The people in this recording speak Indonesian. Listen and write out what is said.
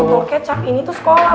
untuk kecap ini tuh sekolah